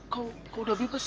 kau udah bebas ya